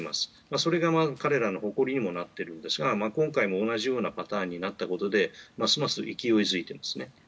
それが彼らの誇りにもなっているんですが今回も同じようなパターンになったことでますます勢いづいていますね。